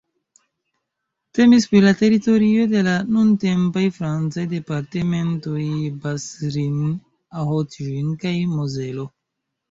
Temis pri la teritorio de la nuntempaj francaj departementoj Bas-Rhin, Haut-Rhin kaj Mozelo.